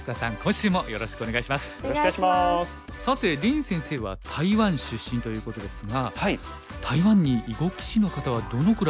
さて林先生は台湾出身ということですが台湾に囲碁棋士の方はどのくらいいるんでしょうか？